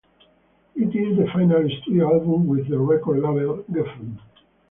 It is the final studio album with the record label Geffen.